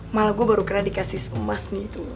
malah gue baru kena dikasih emas nih itu